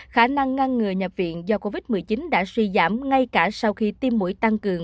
khả năng ngăn ngừa nhập viện do covid một mươi chín đã suy giảm ngay cả sau khi tiêm mũi tăng cường